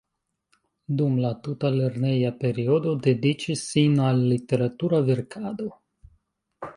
Dum la tuta lerneja periodo dediĉis sin al literatura verkado.